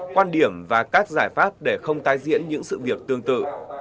quan điểm và các giải pháp để không tái diễn những sự việc tương tự